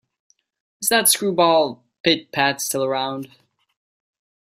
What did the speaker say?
Is that screwball Pit-Pat still around?